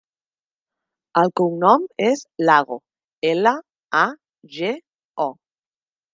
El cognom és Lago: ela, a, ge, o.